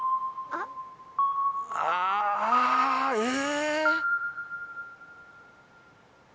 ああええ！？